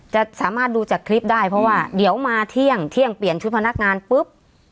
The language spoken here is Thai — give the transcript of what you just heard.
จะสามารถดูจากคลิปได้เพราะว่าเดี๋ยวมาเที่ยงเที่ยงเปลี่ยนชุดพนักงานปุ๊บ